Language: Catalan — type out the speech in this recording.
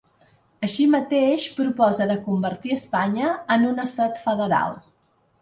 Així mateix, proposa de convertir Espanya en un estat federal.